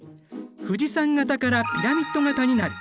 富士山型からピラミッド型になる。